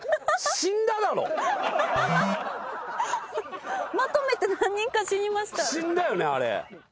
死んだよねあれ。